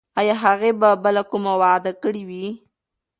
ایا هغې به بله کومه وعده کړې وي؟